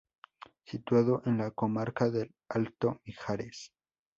Situado en la comarca del Alto Mijares.